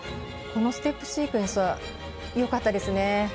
このステップシークエンスはよかったですね。